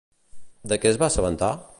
De què es va assabentar?